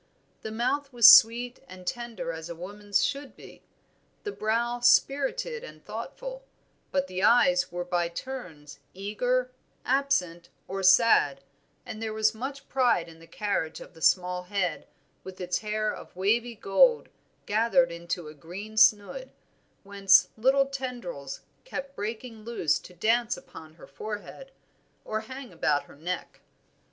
The mouth was sweet and tender as a woman's should be, the brow spirited and thoughtful; but the eyes were by turns eager, absent, or sad, and there was much pride in the carriage of the small head with its hair of wavy gold gathered into a green snood, whence little tendrils kept breaking loose to dance upon her forehead, or hang about her neck.